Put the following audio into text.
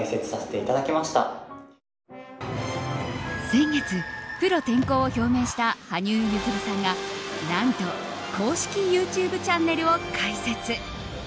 先月、プロ転向を表明した羽生結弦さんが何と公式ＹｏｕＴｕｂｅチャンネルを開設！